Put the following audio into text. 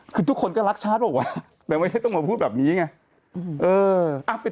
คือทุกคนก็รักชาติเปล่าวะแต่ไม่ใช่ต้องมาพูดแบบนี้ไง